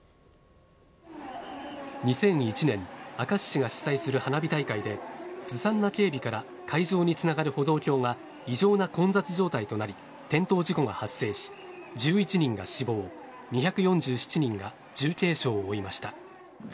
２００１年明石市が主催する花火大会でずさんな警備から会場につながる歩道橋が異常な混雑状態となり転倒事故が発生し１１人が死亡２４７人が重軽傷を負いました。